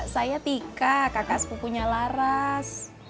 saya tika kakak sepupunya laras